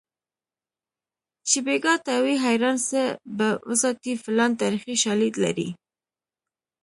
چې بیګا ته وي حیران څه به وساتي فیلان تاریخي شالید لري